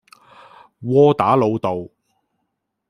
窩打老道